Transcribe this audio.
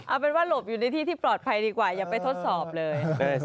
เอาเป็นว่าหลบอยู่ในที่ที่ปลอดภัยดีกว่าอย่าไปทดสอบเลย